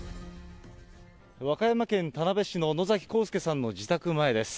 和歌山県田辺市の野崎幸助さんの自宅前です。